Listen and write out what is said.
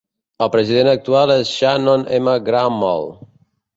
El president actual és Shannon M. Grammel.